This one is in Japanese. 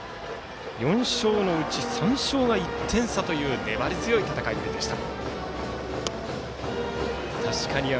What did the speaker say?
４勝のうち３勝が１点差という粘り強い戦いぶりでした。